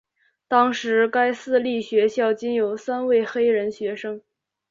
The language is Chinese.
当时该私立学校仅有三位黑人学生。